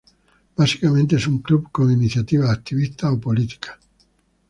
Básicamente es un club con iniciativas activistas o políticas.